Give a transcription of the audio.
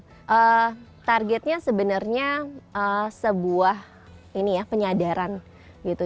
jadi targetnya sebenarnya sebuah penyadaran gitu